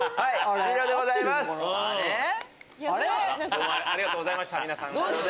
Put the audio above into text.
どうもありがとうございました皆さん。